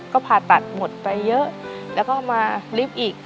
ก็ผ่าตัดหมดไปเยอะแล้วก็มาลิฟต์อีก